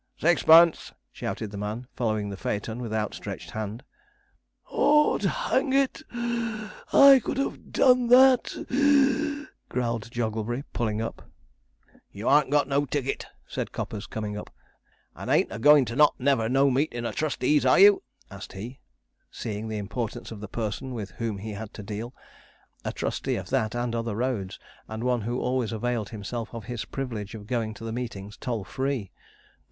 'Sixpence!' shouted the man, following the phaeton with outstretched hand. ''Ord, hang it (puff)! I could have done that (wheeze),' growled Jogglebury, pulling up. 'You harn't got no ticket,' said Coppers, coming up, 'and ain't a goin' to not never no meetin' o' trustees, are you?' asked he, seeing the importance of the person with whom he had to deal; a trustee of that and other roads, and one who always availed himself of his privilege of going to the meetings toll free.